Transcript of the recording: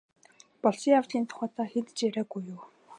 Болсон явдлын тухай та хэнд ч яриагүй юу?